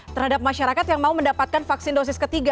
terhadap masyarakat yang mau mendapatkan vaksin dosis ketiga